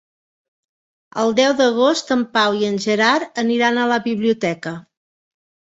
El deu d'agost en Pau i en Gerard aniran a la biblioteca.